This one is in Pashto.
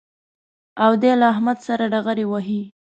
او دی له احمد سره ډغرې وهي